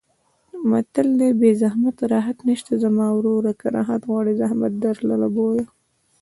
متل دی: بې زحمته راحت نشته زما وروره که راحت غواړې زحمت درلره بویه.